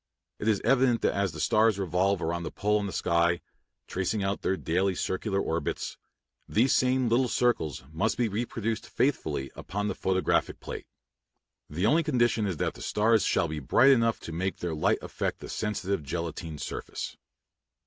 It is evident that as the stars revolve about the pole on the sky, tracing out their daily circular orbits, these same little circles must be reproduced faithfully upon the photographic plate. The only condition is that the stars shall be bright enough to make their light affect the sensitive gelatine surface.